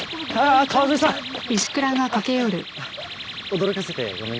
驚かせてごめんね。